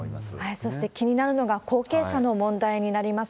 そして、気になるのが後継者の問題になります。